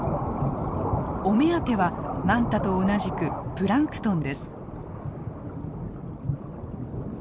お目当てはマンタと同じくプランクトンです。